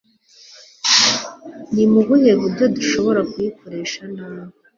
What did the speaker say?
ni mu buhe buryo dushobora kuyikoresha nabi